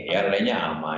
daerah lainnya aman